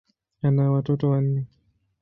Ana watoto wanne.